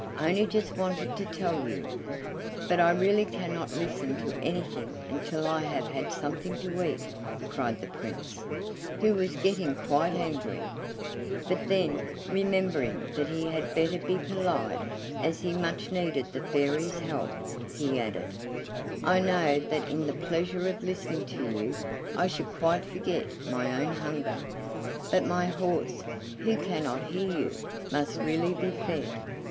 I only just wanted to tell you " "But I really cannot listen to anything until I have had something to eat," cried the Prince, who was getting quite angry; but then, remembering that he had better be polite as he much needed the Fairy's help, he added: "I know that in the pleasure of listening to you I should quite forget my own hunger; but my horse, who cannot hear you, must really be fed!"